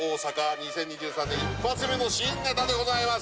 ２０２３年一発目の新ネタでございます。